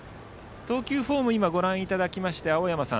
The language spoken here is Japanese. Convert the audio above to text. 投球フォームをご覧いただきまして、青山さん